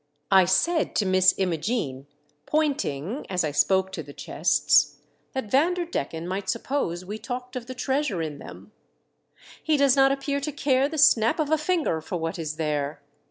I said to Miss Imogene, pointing as I spoke to the chests, that Vanderdecken might suppose we talked of the treasure in them, '* He does not appear to care the snap of a finger for what is there.